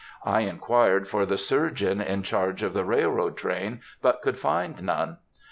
I inquired for the surgeon in charge of the railroad train, but could find none.